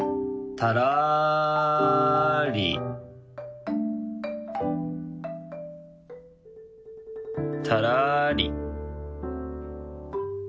たらりたらり。